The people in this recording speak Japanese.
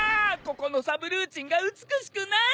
ここのサブルーチンが美しくない！